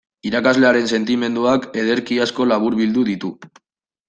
Irakaslearen sentimenduak ederki asko laburbildu ditu.